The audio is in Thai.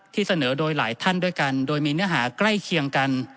เสนอโดยหลายท่านด้วยกันโดยมีเนื้อหาใกล้เคียงกัน